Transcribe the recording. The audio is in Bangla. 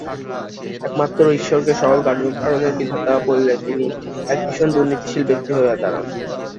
একমাত্র ঈশ্বরকেই সকল কার্য কারণের বিধাতা বলিলে তিনি এক ভীষণ দুর্নীতিশীল ব্যক্তি হইয়া দাঁড়ান।